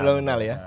belum kenal ya